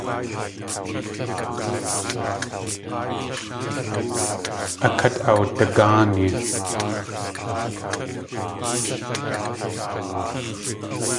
A kát awdagáani.